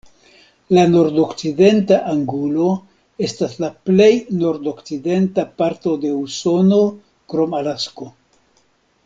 La Nordokcidenta Angulo estas la plej nordokcidenta parto de Usono krom Alasko.